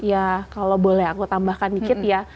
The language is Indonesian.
ya kalau boleh aku tambahkan dikit ya